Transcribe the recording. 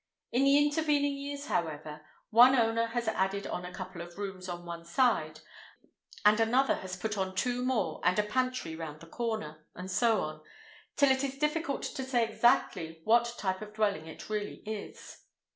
In the intervening years, however, one owner has added on a couple of rooms on one side, and another has put on two more and a pantry round the corner, and so on, till it is difficult to say exactly what type of dwelling it really is.